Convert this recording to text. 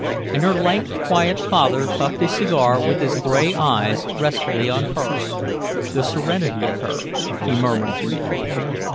And her lank quiet father puffed his cigar, with his gray eyes restfully on her. "The serenity of her," he murmured to me.